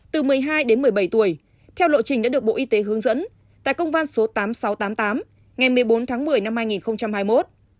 từ một mươi hai đến một mươi bảy tuổi theo lộ trình đã được bộ y tế hướng dẫn tại công văn số tám nghìn sáu trăm tám mươi tám ngày một mươi bốn tháng một mươi năm hai nghìn hai mươi một